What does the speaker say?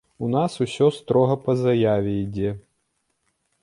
У нас усё строга па заяве ідзе.